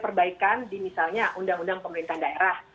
perbaikan di misalnya undang undang pemerintahan daerah